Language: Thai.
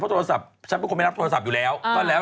เพราะโทรศัพท์ฉันเป็นคนไม่รับโทรศัพท์อยู่แล้ว